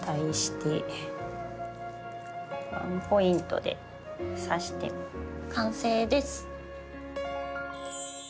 ワンポイントで挿して完成です。